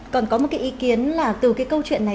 còn có một cái ý kiến là từ cái câu chuyện này